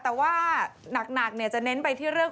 แต่ว่านักเน้นเจยะไปเรื่อง